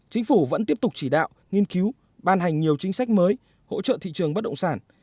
chính phủ vẫn tiếp tục chỉ đạo nghiên cứu ban hành nhiều chính sách mới hỗ trợ thị trường bất động sản